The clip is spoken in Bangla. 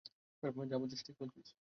যা বলছিস ঠিক বলছিস।